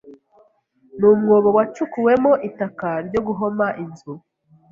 mu mwobo wacukuwemo itaka ryo guhoma inzu,